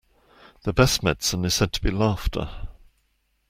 The best medicine is said to be laughter.